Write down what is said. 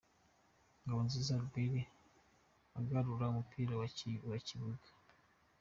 Ngabonziza Albert agarura umupira mu kibuga .